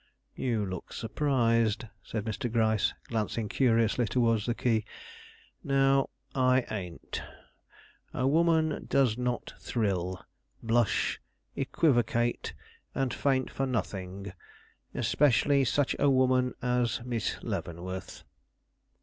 "You look surprised," said Mr. Gryce, glancing curiously towards the key. "Now, I ain't. A woman does not thrill, blush, equivocate, and faint for nothing; especially such a woman as Miss Leavenworth."